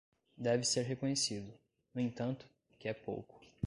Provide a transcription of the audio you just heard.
Deve ser reconhecido, no entanto, que é pouco.